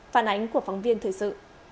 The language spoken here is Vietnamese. phản ánh của phóng viên thời sự